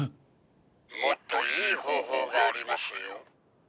もっといい方法がありますよ。